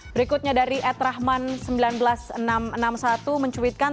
berikutnya dari ed rahman sembilan belas ribu enam ratus enam puluh satu mencuitkan